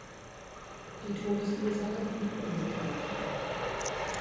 Die Todesursache blieb ungeklärt.